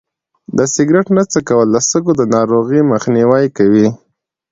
د سګرټ نه څکول د سږو د ناروغۍ مخنیوی کوي.